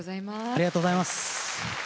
ありがとうございます。